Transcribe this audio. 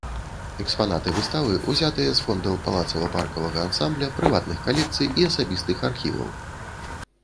Экспанаты выставы узятыя з фондаў палацава-паркавага ансамбля, прыватных калекцый і асабістых архіваў.